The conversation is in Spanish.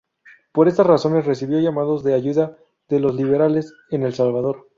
Por estas razones, recibió llamados de ayuda de los liberales en El Salvador.